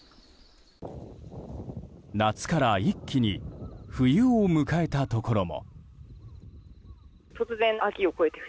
夏から一気に冬を迎えたところも。